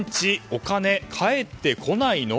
お金返ってこないの？